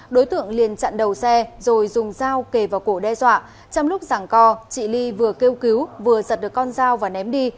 đối tượng liền chặn đầu xe rồi dùng dao kề vào cổ đe dọa trong lúc giảng co chị ly vừa kêu cứu vừa giật được con dao và ném đi